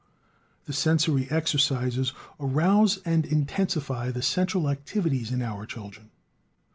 The sensory exercises arouse and intensify the central activities in our children.